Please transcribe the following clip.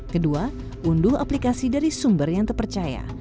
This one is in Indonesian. kedua unduh aplikasi dari sumber yang terpercaya